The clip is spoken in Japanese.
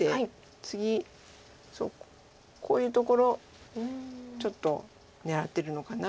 次こういうところちょっと狙ってるのかなと。